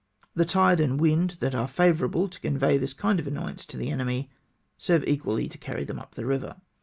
The tide and wind that are favourable to convey this kind of annoyance to the enemy, serve equally to carry them up the river.